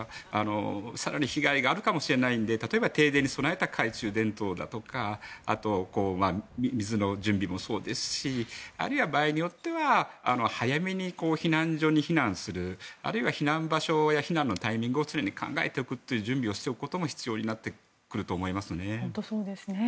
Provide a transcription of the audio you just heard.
更に被害があるかもしれないので例えば停電に備えた懐中電灯だとかあと、水の準備もそうですしあるいは、場合によっては早めに避難所に避難するあるいは避難場所や避難のタイミングを常に考えておくという準備をしておくことも必要になってくると思いますね。